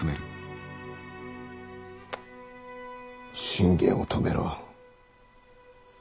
信玄を止めろ。